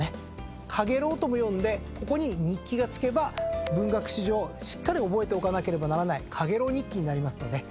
かげろうとも呼んでここに日記が付けば文学史上しっかり覚えておかなければならない『蜻蛉日記』になりますので。